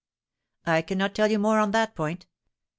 "I cannot tell you more on that point.